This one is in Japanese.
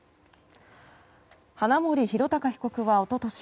花森弘卓被告は一昨年